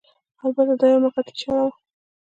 البته دا یوه موقتي چاره وه